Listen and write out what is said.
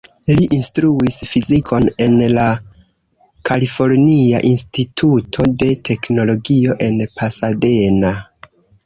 Li instruis fizikon en la Kalifornia Instituto de Teknologio en Pasadena.